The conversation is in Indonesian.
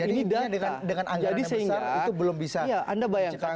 jadi dengan anggarannya besar itu belum bisa mencetak kualitas pendidikan